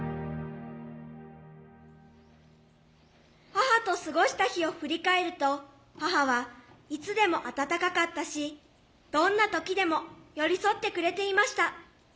母と過ごした日を振り返ると母はいつでも温かかったしどんな時でも寄り添ってくれていました。